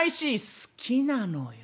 「好きなのよ。